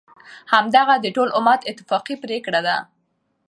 همدغه د ټول امت اتفاقی پریکړه ده،